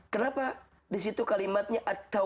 kenapa disitu kalimatnya